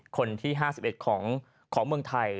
คนที่๕๑ของเมืองไทย